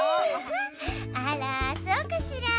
あらそうかしら？